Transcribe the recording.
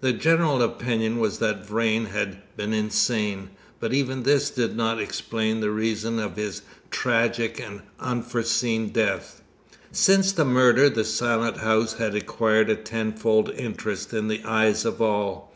The general opinion was that Vrain had been insane; but even this did not explain the reason of his tragic and unforeseen death. Since the murder the Silent House had acquired a tenfold interest in the eyes of all.